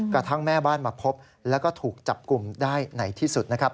กระทั่งแม่บ้านมาพบแล้วก็ถูกจับกลุ่มได้ไหนที่สุดนะครับ